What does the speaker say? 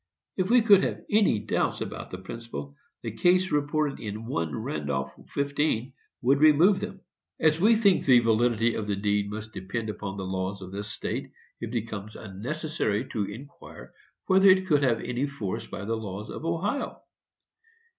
If we could have any doubts about the principle, the case reported in 1 Randolph, 15, would remove them. As we think the validity of the deed must depend upon the laws of this state, it becomes unnecessary to inquire whether it could have any force by the laws of Ohio.